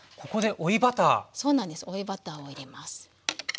追いバターを入れます。